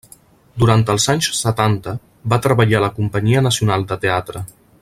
Durant els anys setanta va treballar a la companyia nacional de teatre.